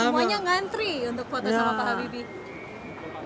semuanya ngantri untuk foto sama pak habibie